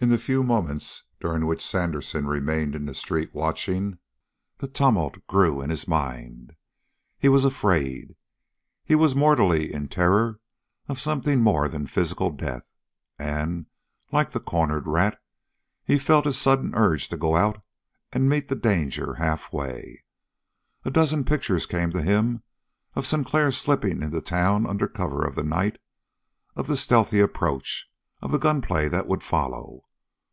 In the few moments during which Sandersen remained in the street watching, the tumult grew in his mind. He was afraid. He was mortally in terror of something more than physical death, and, like the cornered rat, he felt a sudden urge to go out and meet the danger halfway. A dozen pictures came to him of Sinclair slipping into the town under cover of the night, of the stealthy approach, of the gunplay that would follow.